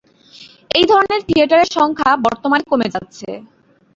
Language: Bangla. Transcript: এই ধরনের থিয়েটারের সংখ্যা বর্তমানে কমে যাচ্ছে।